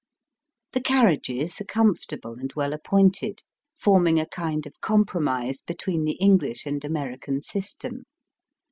The carriages are comfortable and well ap pointed, forming a kind of compromise between the English and American system.